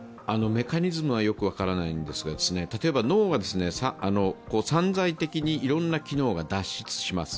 メカニズムはよく分からないんですが、例えば脳が散在的にいろんな機能が脱失します。